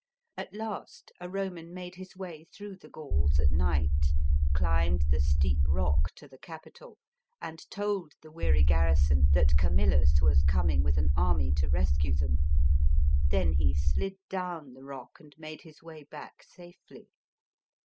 At last a Ptoman made his way through the Gauls at night, climbed the steep rock to the Capitol, and told the weary garrison, that Camillus was coming with an army to rescue them. Then he slid down the rock and made his way back safely.